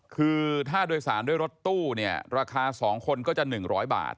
คือถ้าโดยสารด้วยรถตู้เนี่ยราคา๒คนก็จะ๑๐๐บาท